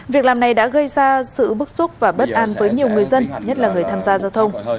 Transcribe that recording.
việc làm này đã gây ra sự bức xúc và bất an với nhiều người dân nhất là người tham gia giao thông